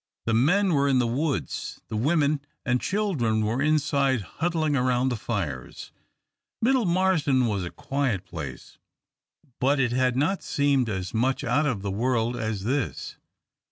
The men were in the woods, the women and children were inside huddling around the fires. Middle Marsden was a quiet place, but it had not seemed as much out of the world as this.